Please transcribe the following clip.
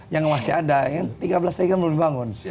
yang masih ada tiga belas tadi kan belum dibangun